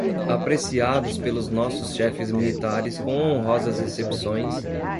apreciados pelos nossos chefes militares com honrosas excepções